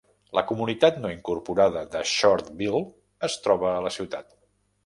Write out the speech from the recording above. La comunitat no incorporada de Shortville es troba a la ciutat.